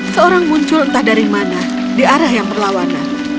seorang muncul entah dari mana di arah yang berlawanan